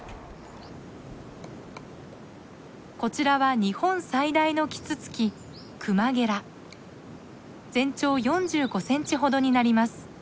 こちらは日本最大のキツツキ全長４５センチほどになります。